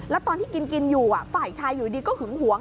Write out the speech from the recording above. แล้วตอนที่กินกินอยู่ฝ่ายชายอยู่ดีก็หึงหวง